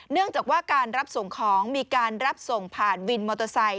เนื่องจากว่าการรับส่งของมีการรับส่งผ่านวินมอเตอร์ไซค